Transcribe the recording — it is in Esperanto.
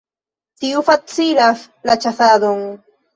Tiu facilas la ĉasadon.